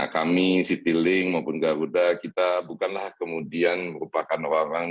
kami citylink maupun garuda kita bukanlah kemudian merupakan orang